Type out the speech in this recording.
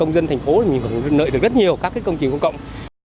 công dân thành phố thì mình có thể nợ được rất nhiều các công trình công cộng